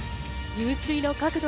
入水の角度。